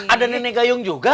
ada nenek gayung juga